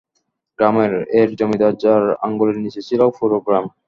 গ্রামের এর জমিদার যার আঙুলের নিচে ছিল পুরো গ্রাম।